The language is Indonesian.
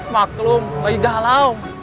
maklum lagi galau